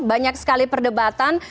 banyak sekali perdebatan